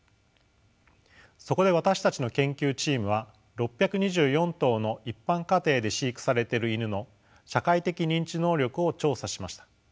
そこで私たちの研究チームは６２４頭の一般家庭で飼育されてるイヌの社会的認知能力を調査しました。